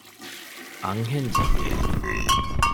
އަންހެން ޖިންނިއެއް